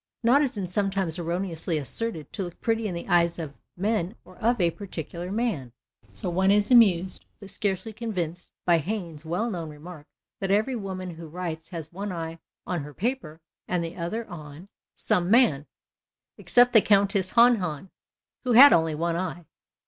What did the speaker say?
Not, as is sometimes erroneously asserted, to look pretty in the eyes of men or of a particular man. So one is amused but scarcely convinced by Heine's well known remark that every woman who writes has one eye on lur pap( r and the other on 275 T 2 PASTICHE AND PREJUDICE some man — except the Countess Hahn Hahn, who had only one eye.